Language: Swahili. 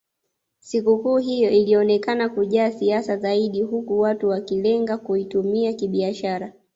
Sikukuu hiyo ilionekana kujaa siasa zaidi huku watu wakilenga kuitumia kibiashara